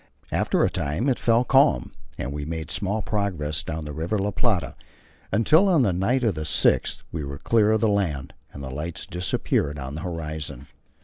After a time it fell calm, and we made small progress down the River La Plata, until, on the night of the 6th, we were clear of the land, and the lights disappeared on the horizon.